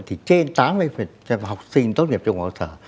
thì trên tám mươi học sinh tốt nghiệp trung cấp nghề